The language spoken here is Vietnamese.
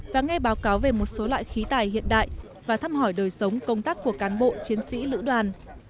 và nghe báo cáo về một số loại khí tài hiện đại và thăm hỏi đời sống công tác của cán bộ chiến sĩ lữ đoàn